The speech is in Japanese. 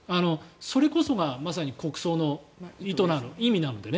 それこそがまさに国葬の意図、意味なので。